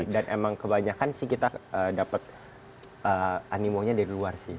dan emang kebanyakan sih kita dapat animunya dari luar sih